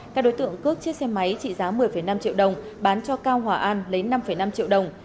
các đối tượng cướp chiếc xe máy trị giá một mươi năm triệu đồng bán cho cao hòa an lấy năm năm triệu đồng